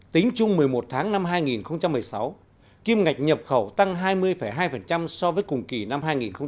tính chung một mươi một tháng năm hai nghìn một mươi sáu kim ngạch nhập khẩu tăng hai mươi hai so với cùng kỳ năm hai nghìn một mươi bảy